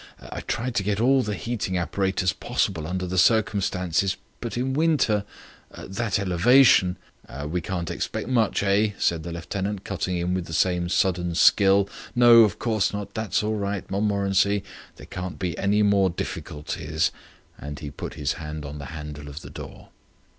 I tried to get all the heating apparatus possible under the circumstances ... but in winter... at that elevation..." "Can't expect much, eh?" said the lieutenant, cutting in with the same sudden skill. "No, of course not. That's all right, Montmorency. There can't be any more difficulties," and he put his hand on the handle of the door.